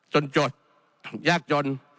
จนจดแยกจน